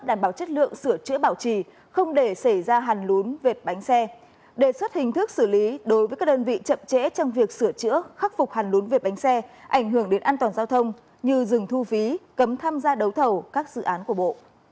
đảm bảo chất lượng sửa chữa bảo trì không để xảy ra hàn lún vệt bánh xe đề xuất hình thức xử lý đối với các đơn vị chậm trễ trong việc sửa chữa khắc phục hàn lún vệt bánh xe ảnh hưởng đến an toàn giao thông như dừng thu phí cấm tham gia đấu thầu các dự án của bộ